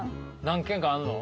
何軒かあんの？